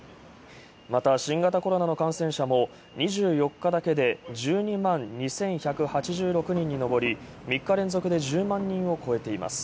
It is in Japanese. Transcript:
また、新型コロナの感染者も２４日だけで１２万２１８６人にのぼり、３日連続で１０万人を超えています。